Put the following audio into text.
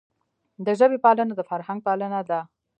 د ژبي پالنه د فرهنګ پالنه ده.